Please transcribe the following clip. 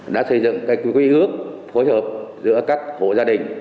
đã xây dựng các quy ước phối hợp giữa các hộ gia đình